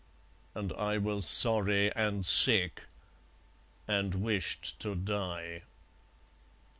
And I was sorry and sick, and wished to die.